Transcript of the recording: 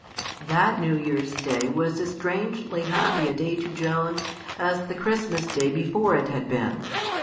That New Year's Day was as strangely happy a day to Joan as the Christmas Day before it had been.